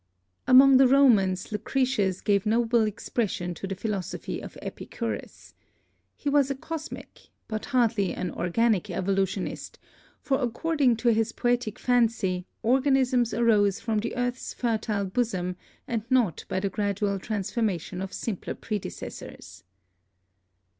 Among the Romans Lucretius gave noble expression to the philosophy of Epicurus. He was a cosmic, but hardly an organic evolutionist, for according to his poetic fancy organisms arose from the earth's fertile bosom and not by the gradual transformation of simpler predecessors.